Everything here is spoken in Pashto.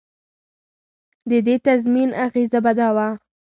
د دې تضمین اغېزه به دا وه.